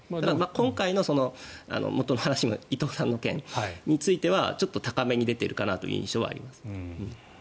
今回の伊藤さんの件についてはちょっと高めに出ているかなという印象はあります。